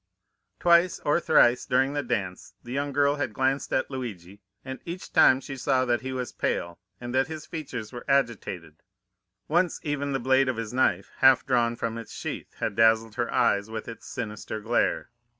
Twice or thrice during the dance the young girl had glanced at Luigi, and each time she saw that he was pale and that his features were agitated, once even the blade of his knife, half drawn from its sheath, had dazzled her eyes with its sinister glare.